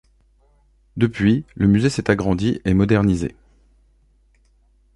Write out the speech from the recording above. Depuis, le musée s’est agrandi et modernisé.